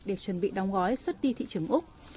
để chuẩn bị đóng gói xuất đi thị trường úc